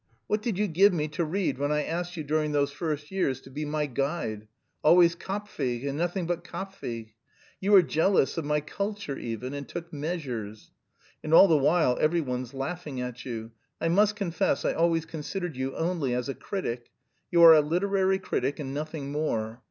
What did you give me to read when I asked you during those first years to be my guide? Always Kapfig, and nothing but Kapfig. You were jealous of my culture even, and took measures. And all the while every one's laughing at you. I must confess I always considered you only as a critic. You are a literary critic and nothing more.